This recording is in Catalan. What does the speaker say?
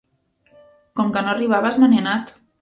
Com que no arribaves, me n'he anat.